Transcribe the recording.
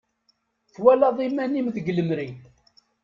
Twalaḍ iman-im deg lemri.